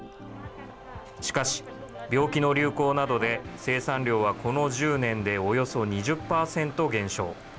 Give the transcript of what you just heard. しかし、病気の流行などで、生産量はこの１０年でおよそ２０％減少。